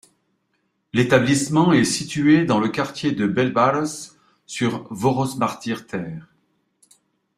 L'établissement est situé dans le quartier de Belváros, sur Vörösmarty tér.